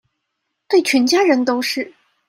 對全家人都是